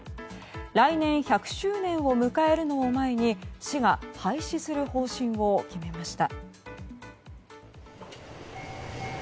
来年１００周年を迎えるのを前に市が廃止する方針を決めました。